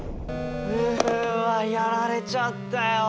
うわやられちゃったよ！